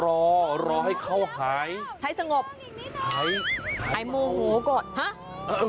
ต้องรอรอให้เขาหายหายสงบหายโมโหก่อนฮะ